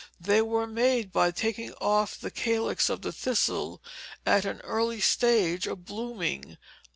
They were made by taking off the calyx of the thistle at an early stage of blooming."